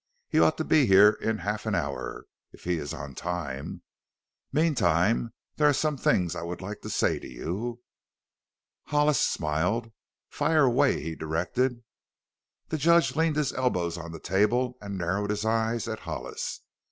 "He ought to be here in half an hour if he is on time. Meantime there are some things I would like to say to you." Hollis smiled. "Fire away," he directed. The judge leaned his elbows on the table and narrowed his eyes at Hollis.